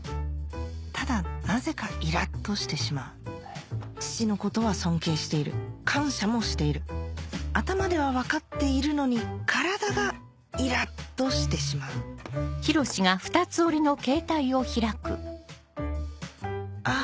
ただなぜかイラっとしてしまう父のことは尊敬している感謝もしている頭では分かっているのに体がイラっとしてしまうあ